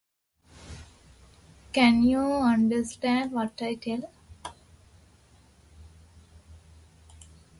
He built a flood control system on the river.